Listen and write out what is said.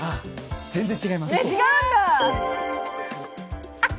全然違います。